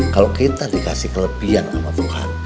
kalau kita dikasih kelebihan sama tuhan